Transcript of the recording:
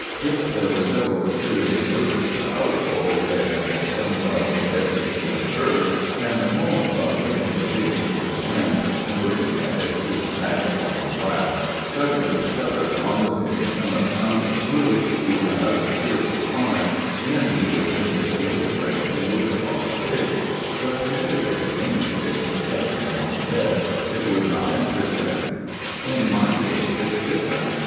If there were several mysterious murders about, or if there had been some dark and deadly thing occur, and Holmes, on taking the pig into his hand and looking at it through his magnifying glass, suddenly discovered on the pig some astounding clue to another fearful crime, then he would bring his great brain to work upon the pig; but merely as a guinea pig suddenly found dead, it would not interest him. In my case it's different.